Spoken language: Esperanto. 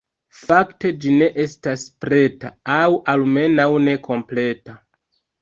Fakte ĝi ne estas preta, aŭ almenaŭ ne kompleta.